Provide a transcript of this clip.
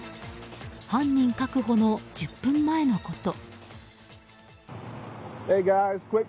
犯人確保の１０分前のこと。